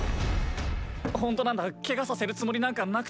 本当なんだケガさせるつもりなんかなくて。